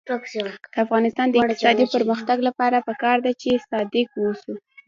د افغانستان د اقتصادي پرمختګ لپاره پکار ده چې صادق اوسو.